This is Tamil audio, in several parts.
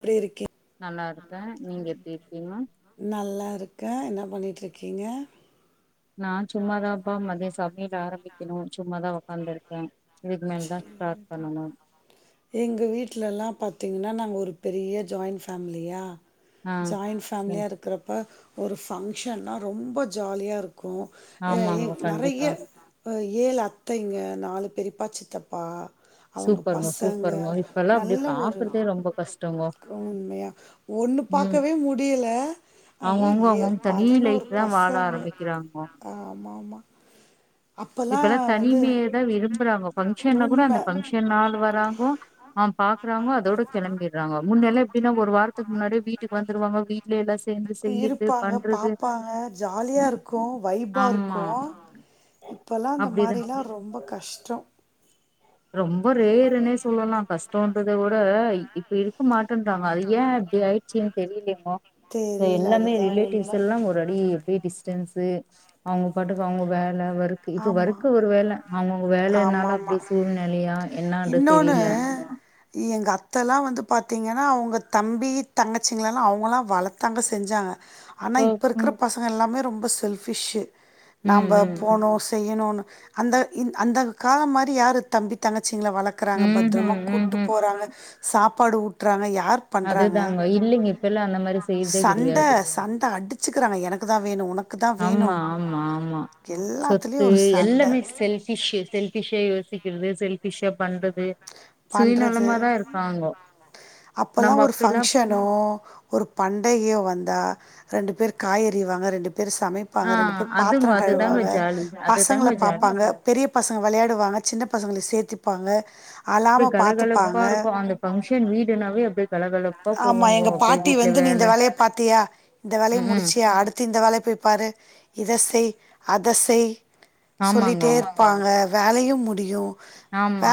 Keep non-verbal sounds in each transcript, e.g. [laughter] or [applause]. இப்டி இரு நல்லா இருக்கே நீங்க எப்டி இருக்கீங்க பண்ணிட்ருக்கீங்க நா சும்மா தாப்பா மதியோ சமயல் ஆரம்பிக்கணு சும்மாதா வந்துருக்கே எங்க வீட்லல்லா பா த்தீங்கன்னா நாங்க ஒரு பெரிய ஜாயிண்ட் ஃபேமிலியா ஆ ஜாயின்ட் சரி ஃபேமிலியா இருக்கிறப்ப ஒரு ஃபங்க்ஷன்னா ரொம்ப ஜாலியா இரு கு அ எ ஆமாங்க நெறய கண்டிப்பா ஏழு அத்தைங்க நாலு பெரிப்பா சி த்தப்பா அவுங்க சூப்பருங்க பசங்க சூப்பருங்க இப்பல்லா அப்டி நல்ல ஒரு பாக்குறதே ரொம்ப கஷ்டங்கோ உண்மையா ஒண்ணு ம் பாக்கவே முடில அதா அவங்கவுங்க ஏ அவங்கவுங்க தனி பதினோரு லைஃப் தா வாழ பசங்க ஆரம்பிக்கிறாங்கோ ஆமாமா இப்பெல்லா தனிமையதா விரும்புறாங்கோ உண்மா ஆ பாக்குறாங்கோ அதோட கெளம்பிட்றாங்க முன்னெல்லா எப்டின்னா ஒரு வாரத்துக்கு முன்னாடியே வீட்டுக்கு வந்துருவாங்க வீட்ல எல்லா சேந்து செய்யறது இருப்பாங்க பண்றது பாப்பாங்க ஜாலியா இருக்கு வைபா ஆமா இருக்கு இப் அப்டிதா மாரில்லா ரொம்ப கஷ்டோ ரொம்ப ரேர்னே சொல்லலா கஷ்டோன்றத விட இ ப்ப இருக்கு மா ட்ருந்தாங்க அது ஏ இப்டி ஆயிட்ச்சின் தெரிலியேமா தெரில எல்லாமே அதுதா ரிலேட்டிவ்ஸ் உண்ம எல்லா ஒரு அடி எப்டி டிஸ்டன்ஸ் இது அவுங்க பாட்டுக்கு அவுங்க வேல இருக்கு இப்ப ஆமா வரைக்கு ஒரு வேல அவுங்கங்க வேலன்னால அப்டி ஆமாமா ஸ் இன்னொன்னு எங்க அத்த எல்லாம் வந்து பாத்திங்கன்னா அவுங்க தம்பி தங்கச்சிங்களெல்லாம் அவுங்களாம் வளத்தாங்க செஞ்சாங்க ஆனா ம் இப்ப இருக்கிற பசங் அங்க எல்லாமே ரொம்ப செல்பிஷ்ஷு நாம்ப ம் போனோம் செய்யணும்னு அந்த இந்த அந்த காலம் மாரி யாரு தம்பி தங்கச் சிங்கள வளக்கறாங்க பத்திரமா ம்ஹும் கூட்டுப் ம்ஹும் போறாங்க சாப்பாடு ஊட்டுறாங்க யா யார் பண்றாங்க அதுதாங்க இல்லைங்க இப்பெல்லா அந்த மாரி செய்யறதே சண்ட கெடையாது சண்ட அடிச்சுக்கிறாங்க எனக்குதா வேணும் உனக்கு தா வேணு ஆமா ஆமா ஆமா சொர் எல்லாத்துலயு இது ஒரு சண்ட எல்லாமே செல்ஃபிஷ் செல்ஃபிஷ்ஷா யோசிக் க்கிறது செல்பிஷா பண்றது பண்றது சுயநலமாதா இருக்காங்கோ நம்ம அப்பல்லாம் ஒரு அப்பெல்லா ஃபங்க்ஷனோ ஒரு பண்டையோ வந்தா ரெண்டு பேர் காயறிவாங்க ரெண்டு பேர் ஆ சமைப்பாங்க ரெண்டு பேர் அதுங்க பாத்திரம் அதுதாங்க கழுவாங்க ஜாலி அதுதாங்க பசங்கள ஜாலி பாப்பாங்க பெரிய பசங்க வெளையாடுவாங்க சின்ன பசங்களை சேர்த்தி இருப்பாங்க அவா அப்டி ம கலகலப்பா பாத்துப்பாங்க இருக்கு அந்த பங்க்ஷன் வீடுனாவே அப்டியே கலகலப்பா ஆமா போகுங்கோ எங்க அப்டியே பாட்டி வீட்ல வந்து நீ வேல இந்த வேலைய பாத்தியா இந்த வேலைய ம் ம் முடிச்சியா அடுத்து இந்த வேலைய போய பாாரு இத செய் அத செய் சொல்லிட்டே ஆமாங்கோ இருப்பாங்க வேலையும் முடியும் ஆமா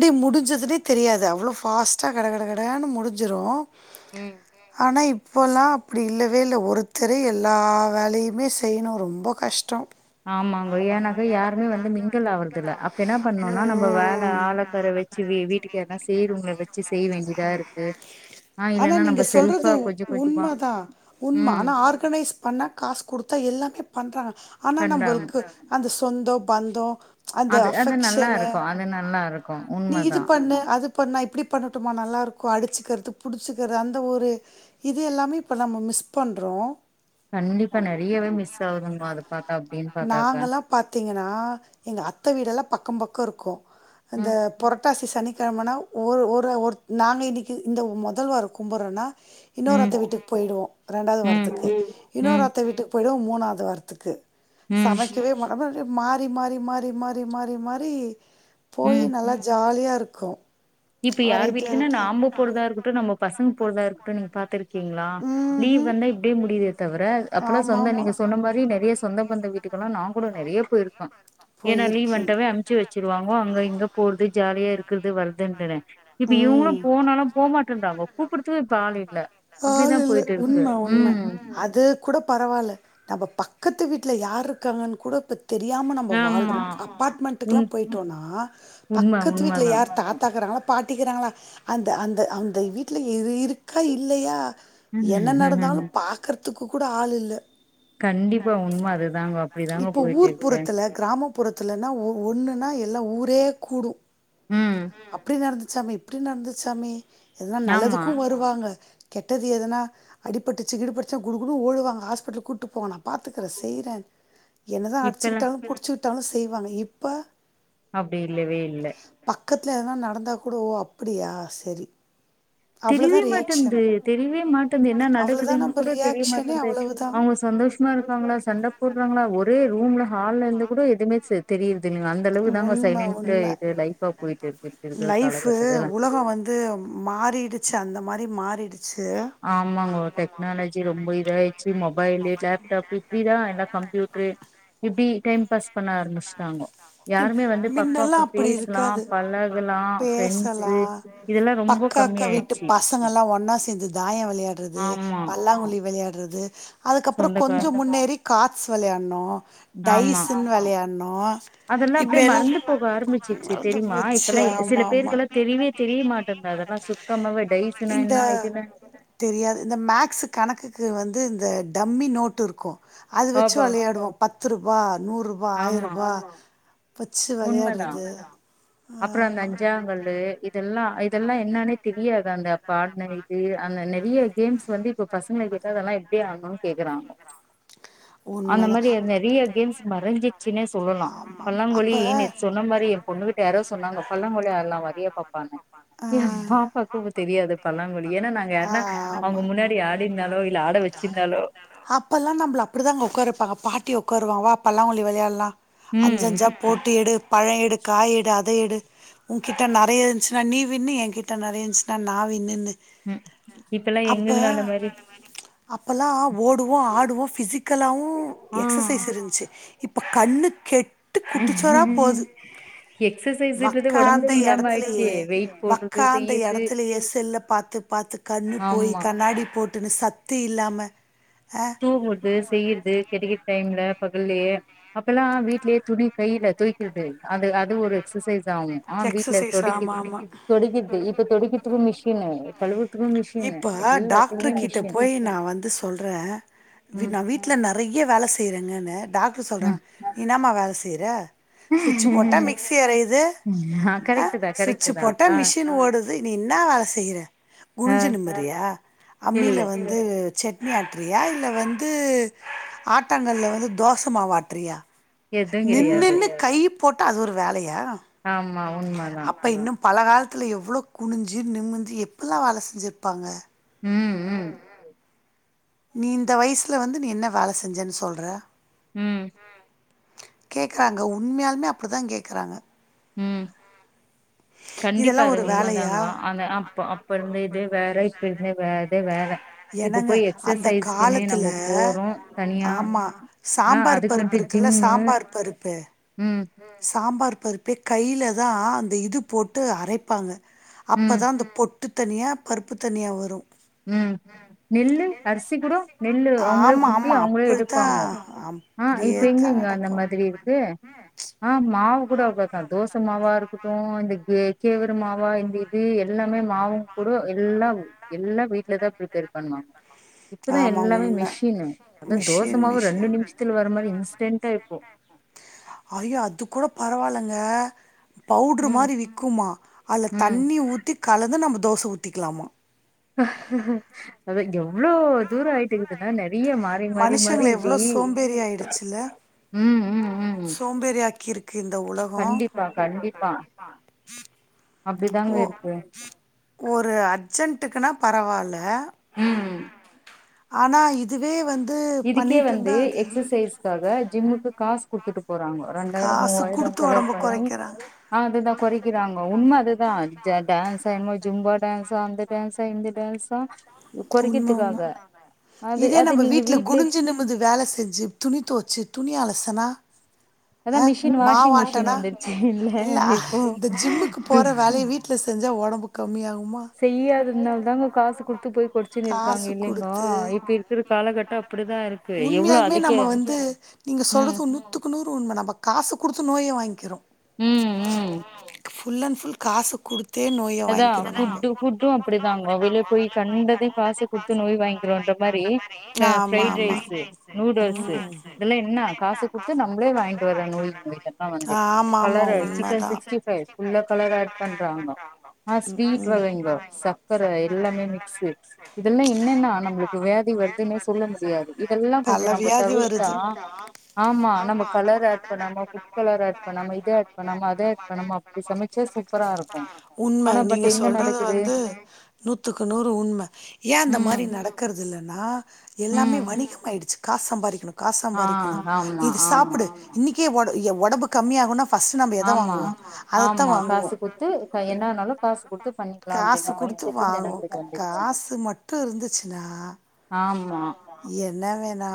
அப்படி முடிஞ்சதுன்னே தெரியாது அவ்வளோ ஃபாஸ்ட்டாக கட கட கடான்னு முடிஞ்சிடும் ம் ஆனா இப்போல்லாம் அப்டி இல்லவே இல்லை ஒருத்தரை எல்லா வேலையுமே செய்யணும் ரொம்ப கஷ்டம் ஆமாங்க ஏன்னாக்கா யாருமே வந்து மிங்கல் ஆறதுல்ல அப்ப என்ன பண்ணும்னா நம்ம வேலை ஆளைக்கரை வச்சு வீ வீட்டுக்கு யார்னா செய்றவங்கள வச்சு செய்ய வேண்டியதா இருக்கு ஆ ஆனா இல்லன்னா நம்ம நீங்க செல்ஃபா சொல்றது கொஞ்ச கொஞ்சமா உண்ம தான் உண்ம ம் ஆனா ஆர்கனைஸ் பண்ண காஸ் குடுத்தா எல்லா பண்றாங்க ஆனா பண்றாங்க நம்பளுக்கு அந்த சொந்தோ பந்தோ அந்த அது அது நல்லா அஃபெக்ஷனு இருக்கு அது நல்லா இருக்கு நீ உண்மதா இது பண்ணு அது பண்ணா இப்டி பண்ணட்டுமா நல்லாருக்கும் அடிச்சக்கறது புடிச்சிக்கறது அந்த ஒரு இது எல்லாமே இப்போ நம்ம மிஸ் பண்றோம் கண்டிப்பா நெறையவே மிஸ் ஆகுதுங்கோ அது பாத்தா அப்டின்னு பாத்தாக்கா நாங்கல்லா பாத்தீங்கன்னா எங்க அத்த வீடெல்லா பக்கோ பக் குக்கருகோ அந்த ம் பட்டாசி சனிக்கிழமைனா ஒரு ஒரு ஒரு நாங்கள் இன்னிக்கு இந்த முதல்வார கும்பிடறோன்னா இன்னொரு ம் அத்த வீட்டுக்கு போயிடுவோம் ரண்டாவது ம் வாரத்துக்கு இன்னொரு ம் அத்த வீட்டுக்கு போயிடும் மூணாவது வாரத்துக்கு ம் சமைக்கவே மா மாறி மாறி மாறி மாறி மாறி மாறி போய் ம் நல்லா காலியா இருக்கும் இப்ப யார்வீட்டுக்குன்னா நா அம்ப போறதா இருக்கட்டும் நம்ம பசங்க போறதா இருக்கட்டும் நீங்க பா கீங்களா ம் லீவ் வந்தா ம் இப்டியே முடியுதுே தவிர அப்பெல்லாம் ஆமா சொந்தம் ஆமா நீங்க சொன்ன மாரி நறைய சொந்த பந்த வீட்டுக்கெல்லா நாங்களோ நறைய போயிருக்க ஏன்னா லீவ் போயிருக்கீங்க வண்டாவ அமுச்சு வச்சிருவாங்க அங்க இங்க போறது ஜாலியா இருக்குறது வர்க் ண்டுட இப்ப ம் இவங்களும் போனாலும் போமாட்றாங்கோ கூப்பிடுதுக்கு இப்ப ஆள் இல்லை ஆ இல்ல உண்மை உண்மை அது கூட பரவாயில்ல நம்ம பக்கத்து வீட்டு ல யாரு இருக்காங்கு கூட இப்ப தெரியாமல் நம்ம ஆமா வாழ்றோம் உண் அப்பார்ட்மெண்ட்டுக்குெல்லாம் போயிட்டோம்னா உண்ம பக்கத்து உண்மதா வீட்டில் யார் தாத்தாக்குறாங்களோ பாட்டிக்கிறாங்களா அந்த அந்த அந்த வீட்ல இருக்கா இ இல்லையா என்ன நடந்தாலும் பாக்கறது த்துக்கு கூட ஆள் இல்ல கண்டிப்பா உண்ம அதுதாங்க அப்டிதாங்க இப்ப போயிட்டு இருக்கு ஊர்புறத்துல கிராம ப்புறத்துலனா ஒ ஒன்னுனா எல்லாம் ஊரே கூடும் ம் அப்படி நரஞ் சாமி எப்புடி நடந்தது சாமி ஏனா ஆமா நல்லதுக்கும் வருவாங்க கெட்டது எதனா அடிப்பட்டுச்சு கீடு பட்டுச்சு குடுகுடுன்னு ஓடுவாங்க ஹாஸ்பிட்டலுக்கு கூப்பிட்டு போ நான் பாத்துக்கறே செய்றேன் என்னதான் இப்பல்லா அடிச்சுகிட்டாலும் புடிச்சுட்டு இருந்தாலோ செய்வாங்க இப்ப அப்டி இல்லவே இல்ல கத்ல எதனா நடந்தா கூட ஓ அப்டியா சரி அவ்வளோதா திரிவே ரியாக்ஷன் மாட்டந்து தெரிவே மாட்டந்து என்னா அவ்வளோதா நடக்குதுன்னு நம்ம கூட தெரிய ரியாக்ஷனே மாட்டேது அவ்வளவுதா அவங்க சந்தோஷமா இருக்காங்களா சண்ட போட்றாங்களா ஒரே ரூம்ல ஹால்ல இருந்து கூட எதுவுமே தெரியுறது இல்லங்க அந்த அளவுக்கு தான்ங்க உண்ம உண்ம சைலண்டாஇது லைஃபா போயிட்டு இருக்கு இந்த ஒரு லைஃபு காலகட்டத்துல உலகம் வந்து மாறிடுச்சு அந்த மாரி மாறிடு ஆமாங்கோ டெக்னாலஜி ரொம்ப இதாயடுச்சு மொபைலு லேப்டாப் இப்டிதா எல்லா கம்ப்யூடரு இப்டி டேம் பாஸ் பண்ண ஆரம்பிச்ட்டாங்கோ ம் மின்னெல்லா அப்படி இருக்காது பழகலா பேசலா ஃப்ரெண்ட்ஸு இதெல்லா ரொம்ப பக்க கம்மி அக்கா வீட்டு ஆயிடுச்சு பசங்கல்லா ஒன்னா சேந்து தாயம் விளையாட்றது ஆமா பல்லாங்குழி விளையாட்றது அதுக்கப்றோ கொஞ்சோ சொந்தக்கார் முன்னேறி காட்ஸ் விளையாட்ணோ ஆமா டைஸ்ன்னு விளையாட்னோ அதெல்லா இப்ப அப்டியே எல்லா, மறந்து போக ஆரம்பிச்சிச்சு தெரியுமா மறந்துபோச்சு இப்பெல்லா சில ஆமா ஆமா பேருக்கெல்லா தெரியவே தெரிய மாட்டேங்குது அதெல்லா சுத்தமாவே டைஸ்னா என்ன இதுனா தெரியாது இந்த மேக்ஸ் கணக்குக்கு வந் து இந்த டம்மி நோட்டு இருக்கு அது வச்சு ஆபா. வெளையாடுவோ பத்து ரூபா நூறுரூ வா ஆமா ஆயிரரூபா வச்சு விளையாட்றது அப்பறோ அந்த அஞ்சாங்கல்லு இதெல்லா அ இதெல்லா என்னானே தெரியாது அந்த அப்ப ஆடுன இது அந்த நிறைய கேம்ஸ் வந்து இப்ப பசங்கள கேட்டா அதெல்லா எப்டி ஆடணுனு கேக்குறாங்கோ அந்த உண்மதா மாரி நெறைய கேம்ஸ் மறஞ்சிச்சுன்னே சொல்லலா ஆமா அப்ப பல்லாங்குழி நீங்க சொன்ன மாரி எ பொண்ணு கிட் யாரோ சொன்னாங்க பல்லாங்குழி ஆடலா வரியா பாப்பானு ஆ எ பாப்பாக்கு இப்ப தெரியாது பல்லாங்குழி ஏனா நாங்க யாருனா அவங்க ஆமா முன்னாடி ஆடிருந்தாலோ இல்ல ஆட வெச்சிருந்தாலோ அப்படிதாங்க உக்கார வெப்பாங்க பாட்டி உக்காரு வா பல்லாங்குழி வெளையாடலா ம் அஞ்சஞ்சா போட்டு எடு பழ எடு காயெடு அ தயெடு உங்கிட்ட நெறையா இருந்துச்சுனா நீ வின்னு எங்கிட்ட நெறையா இருந்துச்சுனா நா வின்னுன்னு ம் இப்பெல்லா அப்ப எங்கெங்க அந்த மாரி அப்பல்லா ஓடுவோ ஆடுவோ ஃபிசிக்கலாவு ஆ எக்சசைஸ் இருந்ச்சு இப்ப கண்ணு கெட் டு குட்டிச்சோரா போது எக்சசைஸ்ன்றது வக்காந்த ஒடம்புக்கு இல்லாம ஆயிடுச்சு எடத்துலயே வெயிட் போடுறது வக்காந்த செய்யறது எடத்தலயே செல்ல பாத்து பாத்து கண்ணு போயி ஆமா கண்ணாடி போட் டுனு சத்து இல்லாம தூகுடுது செய் யர்து கெடைக்க டைம்ல ப ல்லையே அப்பல்லா வீட்லயே துணி கையில தோய்க்குறது அது அது ஒரு எக்சசைஸ் ஸாவு ஆஹ் வீட்டுல எக்ஸசைஸ் ஆமா தொடைக்குது ஆமா தொடைக்கது இப்ப தொடைக்கிறதுக்கு மிஷினு கலுவுற்துக்கு மிஷினு இப்ப எல்லாத்துமே மிஷின் ங்க இப்டி ம் நா வீட்ல நெறைய வேல செய்றங்கன்ன டாக்டர் சொல்றா நீ இன்னாம வேல செய்ற சுவிட்சி போட்டா மிக்ஸி அறையிது ஆ அஹ் கரெக்ட் தா கரெக்ட் சுட்சி தா போட்டா ஆ மிஷின் ஓடுது நீ இன்ன வேல செய்யற ஆ குனிஞ்சி நிமிர்ரியா இல்ல அம்மில வந்து சட்னி ஆட்றியா இல்ல வந்து ஆட்டங்கள்ல வந்து தோச மாவு ஆட்றியா எதுவு நின் கெடையாது நின்னு கை போட்டு அது ஒரு வேலய் யா மா உண்மதா பல காலத்துல எவ்ளோ குனிஞ்சி நிமிந்து எப்புல்லா வேல செஞ்சிருப்பாங்க ம் ம் நீ இந்த வயசுல வந்து நீ என்ன வேல செஞ்சன்னு சொல்ற ம் கேக்குறாங்க உண்மையால்மே அப்டிதா கேக்குறாங்க ம் கண்டிப்பா இதெல்லாம் அது ஒரு வேலையா உண்மதாங்க அது அப்ப அப்பருந்த இது வேற அப்பருந்தே வே அதே வேல என்னங்க அந்த காலத்துல நம்ம போறோம் தனியா ஆமா ஆ சாம்பார் அதுக்குன்ட்டு பருப்புருக்குல்ல ஜிம்மு சாம்பார் பருப்பு ம் சாம்பார் பருப்பே கையில தா அந்த இது போட்டு அரைப்பாங்க ம் அப்பதா அந்த பொட் ட்டு தனியா பருப்பு தனியா வரு ம் நெல்லு அரிசி கூடோ நெல்லு அவுங்களே ஆமாம் குத்தி ஆமாம் அவுங்களே அப்படி தான் எடுப்பாங்கோ அஹ் அப்படியே இப்ப தான் எங்கங்க அந்த நடக்கும் மாதிரி இருக்கு அஹ் மாவு கூட அவளத்தா தோச மாவாருக்கட்டு இந்த கே கேவுரு மாவா இந்த இது எல்லாமே மாவு கூட எல்லாவ் எல்லாம் வீட்டுல தா ப்ரிப்பேர் பண்ணுவாங்க இப்பதா ஆமாம் எல்லாமே உண்மை மிஷினு அத தோச மிஷின் மாவு ரெண்டு மிஷின் நிமிஷத்துல வர மாரி இன்ஸ் டென்ட்டா இப்போ ஐயோ அது கூட பரவால்லங்க பவுட்ரு ம் மாரி விக்குமா அதுல ம் தண்ணி ஊத்தி கலந்து நம் தோச ஊத்திக்கலாமா [unintelligible] வ்ளோ தூரோ ஆய்ட்டுக்கு நால விய மாறி மாறி மாறி மனுஷங்கள இப்டி எவ்ளோ சோம்பேறி ஆயிடுச்சுல்ல. ம் ம் ம் கிந்த உலஹோ கண்டிப்பா கண்டிப்பா அப்டிதாங்க ஒ இருக்கு அப்டிதாங்க இருக்கு ஒரு அர்சென்ட் டுக்குனா பரவால்ல ம்ம் ஆனா இதுவே வந் இதுக்கே வந்து எக்ஸசைஸ்க்காக ஜிம்முக்கு காஸ் குத்துட்டு போறாங்ஹோ ரெண்டாயிரோ காசு மூவாயிரோ குடுத்து செலவு ஒடம்ப பண்ணி கொறைக்கிறாங்க. அதுதா கொறக்கிறாங்க உண்ம அதுதா ஜ டேன்ஸ என்மோ ஜும்பா டேன்ஸ் த அந்த டேன்ஸா இந்த டேன்ஸா உண்ம, உண்ம. கொறக்கிற்துக்காக அது இதே அது நம்ம நீங்க வீட்ல வீட் குனிஞ்சு நிமிது வேல செஞ்சு துணி தொவுச்சு துணி அலசனா அதா அஹ் மிஷின் வாஷிங் மிஷின் மாவாட்டனா வந்துருச்சு இல்ல இப்போ இந்த ஜிம்முக்கு து போற வேலய வீட்ல செ செஞ்சா ஒடம்பு கம்மியாவும் செய்யாதத்னால் தாங்க காசு குடுத்து போய் கொற்ச்சினு இருக்காங்க காசு இல்லிங்கோ குடுத்து இப்ப இர்க்குற காலகட்டொ அப்பதா இருக்கு எவ்ளோ உண்மையாலுமே அதுக்கே நம்ம ம் உண்மதாப்பா காசு குடுத்து நோயே வாங்கிறோ ம் ம் ஃபுல் அண் ஃபுல் காசு குடுத் அதா ஃபுட் ஃபுட்டும் அப்படிதாங்க வெளிய போய் கண்டயும் காசு குடுத்து நோய் வாங்கிறோன்ற மாரி ஆமா ஃப்ரைட் ஆமா ரைஸு நூடுல்ஸ்சு ம் இதல்லா என்ன காசு குடுத்து நம் தே வாய்ன்ட்டு வர நோய்ங் எல்லா வந்து ஆமா ஆமா கலர சிக்கன் உண்மதா சிக்ஸ்டி ஃபைவ் ஃபுல்லா கலர் ஆட் பண்றாங்கோ ஆஹ் ஸ்வீட் வகைங்கோ சக்கர எல்லாமே மிக்ஸு இதல்லா என்னென்னா நம்ளுக்கு வியாதி வர்துன்னு சொல்ல முடியாது இதல்லா கொஞ்ச பல நம்ப வியாதி தவிர்த்தா வருது ஆமா அனா கலர் ஆட் பண்ணாம ஃபுட் கலர் ஆட் பண்ணாமா இத ஆட் பண்ணாம அத ஆட் பண்ணாமா அப்டி சமச்ச சூப்பரா இருக்கும் உண்ம நீங்க சொல்றது வந்து நூத்துக்கு நூறு உண்ம ஏ அந்த ம் மாரி நடக்ற்து இல்லனா எல்லாமே ம் வணிகம் ஆயிடுச்சு காஸ் சம்பாரிக்கணு காசு ஆ சம்பாரிக்கணு ஆமா இது ஆமா சாப் இன்னிக்கே ஒட் எ ஒடபு கம்மியாகுனா ஃபஸ்ஸு நம்ப எத ஆமா வாங்குவோம் அதத்தா ஆமா வாங்குவோ காசு குத்து க என்ன ஆனாலு காசு குடுத்து பண்ணிக்கலா காசு அப்டின்ற மைண்ட் குடுத்து ப என்னா ஆனாலும் காசு குடுத் காசு குடுத்து செட்டு வாங்கு ஜனங்களுக்கு வந்துருச்சு காசு மட்டு இருந்துச்சுனா ஆமா என்ன வேணா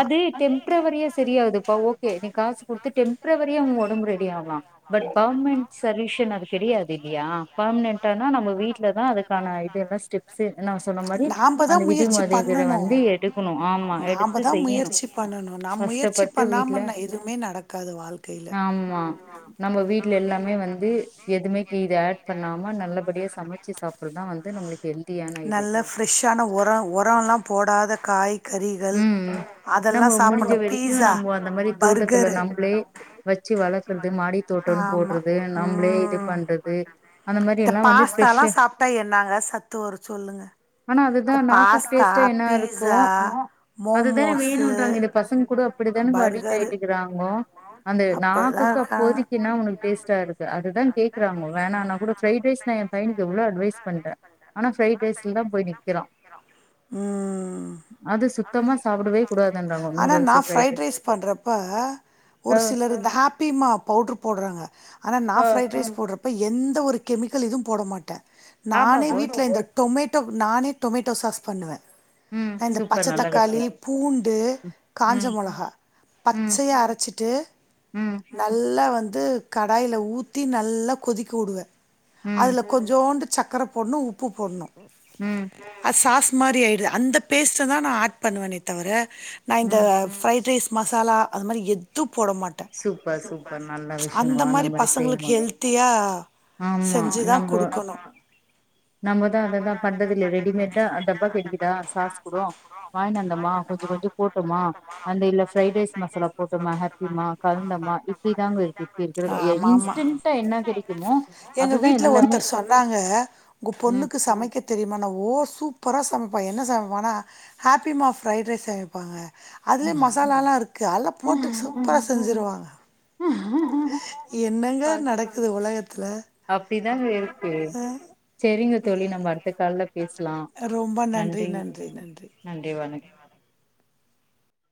அது டெம்ப்ரவரியாஸ் தெரியாதுப்பா ஓகே நீ காசு குட்த்து டெம்ப்ரவரியா மூவா [unintelligible] ரெடி ஆக்லாம் பட் பௌமென்ட்ஸ் தல்யூஷன் அது கெடியாது இல்லியா ஃபர்ம்னென்ட்டானா நம்ப வீட்லதா அதுக்கான இதெல்லா ஸ்டெப்ஸு நா சொன்ன மாரி நாம்ப தா அந்த முயற்சி விதிமொதைகர பண்ணணு. வந்து எடுக்குணு ஆமா எடுத் நாம்ப தா முயற்சி பண்ணனும் நா முயற்சி வீட்ல பண்ணாம நா எதுவுமே நடக்காது வாழ்க்கையில ஆமா நம்ம வீட்ல எல்லாமே வந் எதுவுமே க இது ஆட் பண்ணாம நல்லபடியா சமைச்சு சாப்புட்றதுதா வந்து நம்மளுக்கு ஹெல்தியான இது நல்ல ஃப்ரெஷ்ஷான உரம் உரம்லாம் போடாத காய் கறிகள் ம் ம் நம்ம அதெல்லாம் முடிஞ்ச சாப்புட்ணும் வரைக்கு பீஸா நம்ம அந்த மாரி தோட்டத்துல பர்கரு நம்பளே வச்சு வளர்க்கறது மாடித்தோட்டன்னு போட்றது நம் ஆ இந்த வந்து பாஸ்த்தால்லா ஃப்ரெஷ்ஷு சாப்ட்டா என்னாங்க சத்து வரும் சொல்லுங்க ஆனா அதுதா இந்த நாக்குக்கு பாஸ்த்தா டேஸ்ட்டா என்ன இருக்கு பீஸா அதுதான மோமோஸு வேணுன்றாங்க இந்த பசங்க கூட அப்டி தானேங்க அடிக்ட் பர்கரு ஆயிட்டுக்கிறாங்கோ அந்த அப்படி தா நாக்குக்கு இருக்காங்க அப்போதிக்கு என்ன உனக்கு டேஸ்ட்டா இருக்கு அது கேக்குறாங்கோ வேணான்னா கூட ஃப்ரைட் ரைஸ் நா ஏ பையனுக்கு எவ்ளோ அட்வைஸ் பண்றேன் ஆனா ஃப்ரைட் ரைஸ்லதா போய் நிக்கிறான் ம் அது சுத்தமா சாப்டவே சாப்புடவே கூடாதுன்றாங்கோ கூடாதுங்கிறாங்க ஆனா நா நூடுல்ஸு ஃப்ரைட் ரைஸ் பண்றப்ப ஆ ஒரு சிலர் இந்த ஹாப்பிமா பவுடர் போட்றாங்க ஆனா நா ஆ ஃப்ரைட் ரைஸ் போட்றப்ப எந்த ஒரு கெமிக்கல் இதுவு போடமாட்ட நானே ஆமாங்கோ வீட்ல இந்த டொமேட் டோ நானே டொமேட்டோ சாஸ் பண்ணுவ ம் நா இந்த சூப்பர் பச்ச நல்ல தக்காளி விஷயம் பூண்டு காஞ்ச ம் மொளகா ம் பச்சையா அரச்சிட்டு ம் நல்லா வந் வந்து கடாயில ஊத்தி நல்லா கொதிக்கவுடுவே ம் அதுல கொஞ்சோண்டு சக்கர போட்ணு உப்பு போட்ணு ம் ஆ சாஸ் மாரியாயிடுது அந்த பேஸ்ட்டதா நா ஆட் பண்ணுவேனே தவர நா இந்த ம் ஃப்ரைட் ரைஸ் மசாலா அதுமாரி எதுப் போட மாட்ட சூப்பர் சூப்பர் அந்த மாரி பசங்களுக்கு ஹெல்த்தியா ஆமா நம்போ நம்பதா அததா பண்றதுல்ல ரெடிமேடா அத தா அததா செஞ்சா சாப்புட்றோ வந்தமா வாங்கிட்டு கொஞ்சோ வந்தோமா கொஞ்சோ கொஞ்ச கொஞ்ச போட்டோமா அந்த இல்ல ஃப்ரைட் அந்தந்த ரைஸ் சைடிஸ் மசாலா போட்டோமா ஹாப்பிமா ஹபிமா கலந்தமா கலந்தோமா இப்டிதாங்க இப்படி இருக்கு தாங்க இப்ப இருக் இருக்கிறது எ ஆமா ஆமா இன்ஸ்டன்டா என்ன கெடைக்குமோ இன்ஸ்டென்ட்டா எங்க அதுதா வீட்டுல எல்லாமே ஒருத்தர் சொன்னாங்க உங்க ம் பொண்ணுக்கு சமைக்க தெரியுமானா ஓசு புர சமைப்பான் என்ன சமைப்பனா ஹாப்பிம்மா ஃப்ரைட் ரைஸ் சமைப்பாங்க அதுலயே மசாலா எல்லாம் இருக்கு அதல்லாம் போட்டு சூப்பரா செஞ்சிருவாங்க என்னங்க அ நடக்குது உலகத்துல அப்டிதாங்க இருக்கு செரிங்க தோழி நம்ம அடுத்த கால்ல பேசலா ரொம்ப நன்றி நன்றி நன்றி. [inaudible]